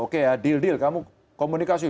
oke ya deal deal kamu komunikasi